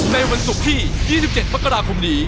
ในวันศุกร์ที่๒๗มกราคมนี้